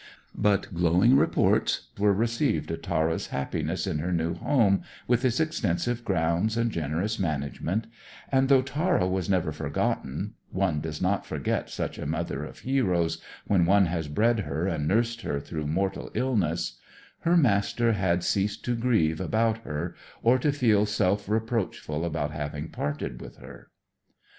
But glowing reports were received of Tara's happiness in her new home, with its extensive grounds and generous management; and, though Tara was never forgotten one does not forget such a mother of heroes, when one has bred her and nursed her through mortal illness her Master had ceased to grieve about her or to feel self reproachful about having parted with her.